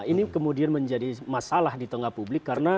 ini kemudian menjadi masalah di tengah publik karena